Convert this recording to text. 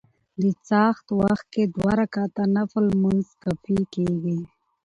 د څاښت وخت کي دوه رکعته نفل لمونځ کافي کيږي